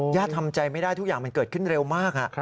ทำใจไม่ได้ทุกอย่างมันเกิดขึ้นเร็วมาก